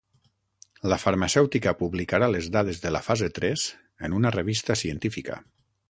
La farmacèutica publicarà les dades de la fase tres en una revista científica.